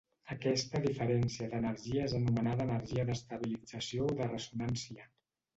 Aquesta diferència d'energia és anomenada energia d'estabilització o de ressonància.